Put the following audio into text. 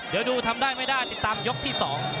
เดี๋ยวดูทำได้ไม่ได้ติดตามยกที่๒